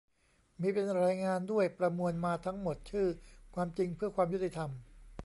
มีเป็นรายงานด้วย ประมวลมาทั้งหมดชื่อ "ความจริงเพื่อความยุติธรรม"